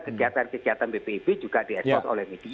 kegiatan kegiatan bpp juga diadops oleh media